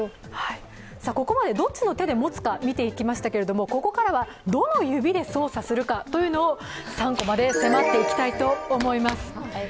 ここまでどっちの手で持つかを見てきましたけれどもここからはどの指で操作するか、３コマで迫っていきたいと思います。